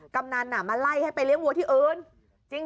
กำนันมาไล่ให้ไปเลี้ยงวัวที่อื่น